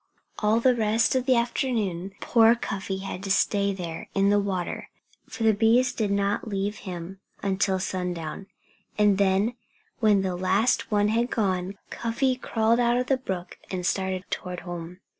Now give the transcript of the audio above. All the rest of the afternoon poor Cuffy had to stay there in the water. For the bees did not leave him until sundown. And then, when the last one had gone, Cuffy crawled out of the brook and started toward home.